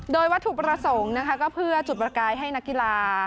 โดยวัตถุประสงค์นะคะก็เพื่อจุดประกายให้นักกีฬา